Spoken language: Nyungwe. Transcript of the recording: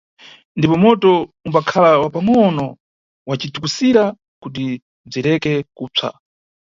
Ndipo moto umbakhala wa pangʼono wacitukusira kuti bzireke kupsa.